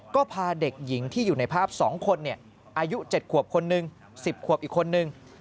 ก็พาเด็กหญิงที่อยู่ในภาพ๒คนอายุ๗ขวบคนนึง๑๐ขวบอีกคนนึง